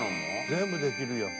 「全部できるやん」